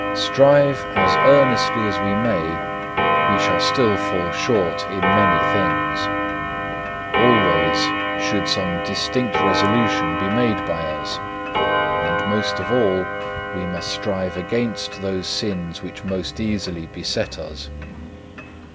Strive as earnestly as we may, we shall still fall short in many things. Always should some distinct resolution be made by us; and, most of all, we must strive against those sins which most easily beset us.